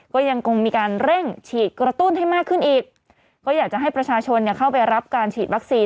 ก็ยังคงมีการเร่งฉีดกระตุ้นให้มากขึ้นอีกก็อยากจะให้ประชาชนเนี่ยเข้าไปรับการฉีดวัคซีน